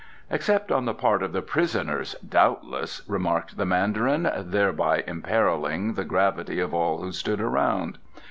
"Except on the part of the prisoners, doubtless," remarked the Mandarin, thereby imperilling the gravity of all who stood around.